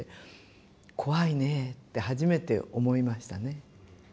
怖いねって初めて思いましたね。